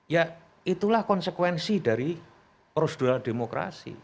ya itulah konsekuensi dari prosedural demokrasi